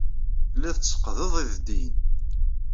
Telliḍ tetteqqdeḍ ideddiyen.